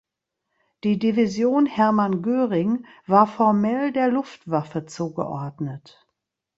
Die "Division Hermann Göring" war formell der Luftwaffe zugeordnet.